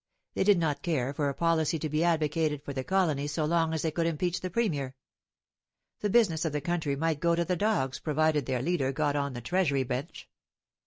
... They did not care for a policy to be advocated for the colony so long as they could impeach the Premier. ... The business of the country might go to the dogs provided their leader got on the Treasury bench.